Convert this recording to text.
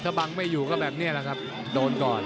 ถ้าบังไม่อยู่ก็แบบนี้แหละครับโดนก่อน